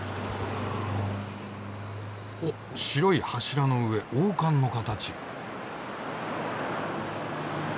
お白い柱の上王冠の形。